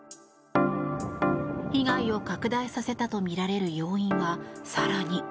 被害を拡大させたとみられる要因は、更に。